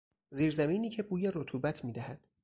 زیر زمینی که بوی رطوبت میدهد